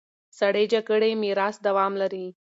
سړې جګړې میراث دوام لري.